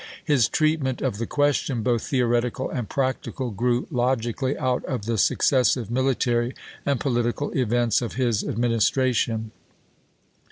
His treatment chap.xvi. of the question, both theoretical and practical, grew logically out of the successive military and political events of his administration.